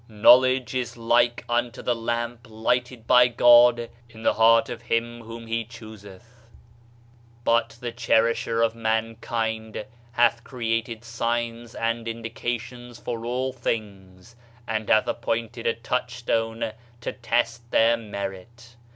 "Knowledge is like unto the lamp lighted by God in the heart of him whom he chooseth." But the Cherisher of mankind hath created signs and indications for all things, and hath ap pointed a touchstone to test their merit.